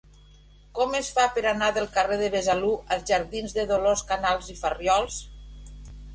Com es fa per anar del carrer de Besalú als jardins de Dolors Canals i Farriols?